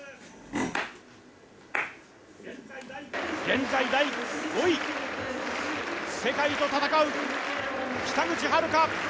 現在第５位、世界と戦う北口榛花。